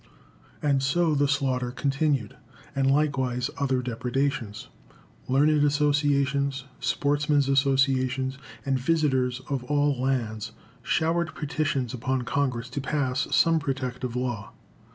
And so the slaughter continued, and likewise other depredations. Learned associations, sportsmen's associations, visitors of all lands, showered petitions upon Congress to pass some protective law.